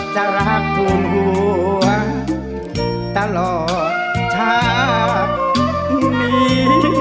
จะรักทูลหัวตลอดชาตินี้